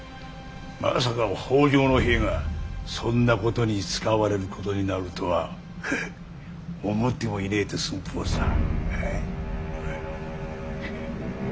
まさか北条の兵がそんなことに使われることになるとは思ってもいねえって寸法さ。